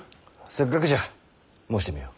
せっかくじゃ申してみよ。